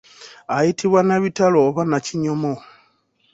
Ayitibwa Nabitalo oba Nakinyomo.